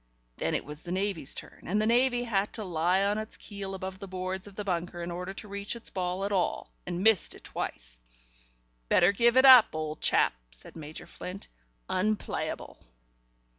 Then it was the Navy's turn, and the Navy had to lie on its keel above the boards of the bunker, in order to reach its ball at all, and missed it twice. "Better give it up, old chap," said Major Flint. "Unplayable."